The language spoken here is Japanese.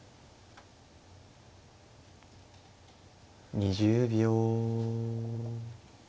２０秒。